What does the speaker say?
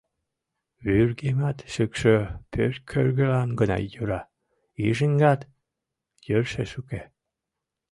Вургемат шӱкшӧ — пӧрткӧргылан гына йӧра, йыжыҥат йӧршеш уке.